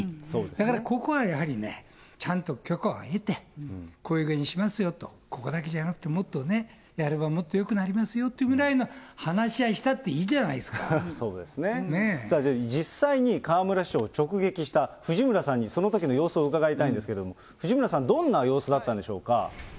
だから、ここはやはりね、ちゃんと許可を得て、こういう感じにしますよと、ここだけじゃなくて、もっとね、やればもっとよくなりますよというようなことを、話し合いしたっ実際に、河村市長を直撃した藤村さんにそのときの様子を伺いたいんですけれども、藤村さん、どんな様子だったんでしょうか。